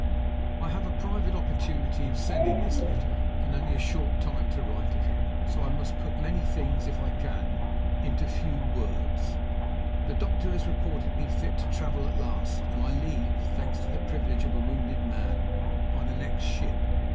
"I have a private opportunity of sending this letter, and only a short time to write it in; so I must put many things, if I can, into few words. The doctor has reported me fit to travel at last, and I leave, thanks to the privilege of a wounded man, by the next ship.